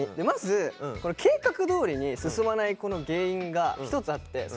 まず計画どおりに進まないこの原因が一つあって。